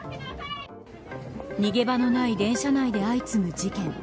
逃げ場のない電車内で相次ぐ事件。